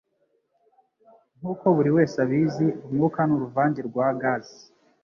Nkuko buriwese abizi, umwuka ni uruvange rwa gaze.